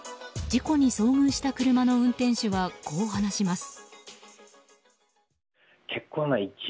事故に遭遇した車の運転手はこう話します。